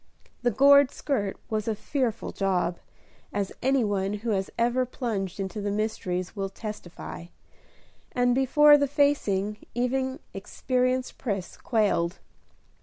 The gored skirt was a fearful job, as any one who has ever plunged into the mysteries will testify; and before the facing, even experienced Pris quailed.